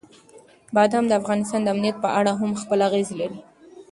بادام د افغانستان د امنیت په اړه هم خپل اغېز لري.